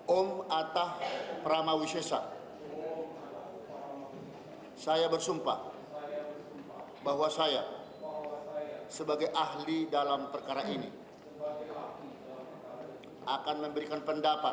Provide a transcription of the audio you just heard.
om atah pramawisesa saya bersumpah bahwa saya sebagai ahli dalam perkara ini akan memberikan pendapat